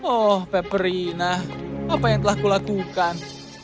oh peperina apa yang telah kulakukan